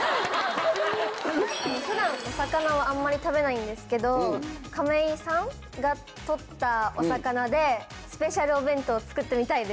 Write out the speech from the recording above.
普段お魚はあんまり食べないんですけど亀井さんが捕ったお魚でスペシャルお弁当作ってみたいです。